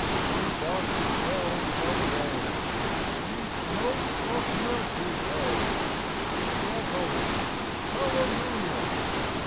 " Through darkest realms of woe, Sweet notes of mercy go, Re echoing "Hallelujah!"